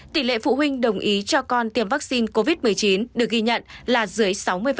tỷ lệ phụ huynh đồng ý cho con tiêm vaccine covid một mươi chín được ghi nhận là dưới sáu mươi